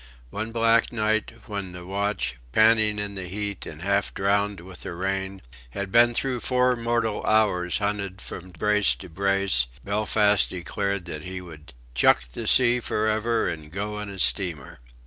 One black night, when the watch, panting in the heat and half drowned with the rain, had been through four mortal hours hunted from brace to brace, Belfast declared that he would "chuck the sea for ever and go in a steamer."